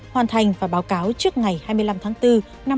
hoàn thành và báo cáo trước ngày hai mươi năm tháng bốn năm hai nghìn hai mươi